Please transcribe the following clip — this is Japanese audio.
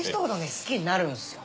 好きになるんすよ。